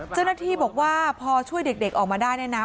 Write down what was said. เจ้าหน้าที่บอกว่าพอช่วยเด็กออกมาได้เนี่ยนะ